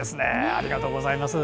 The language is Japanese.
ありがとうございます。